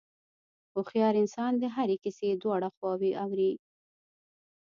هوښیار انسان د هرې کیسې دواړه خواوې اوري.